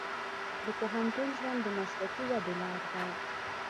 د پوهنتون ژوند د مسلکي ودې لار ده.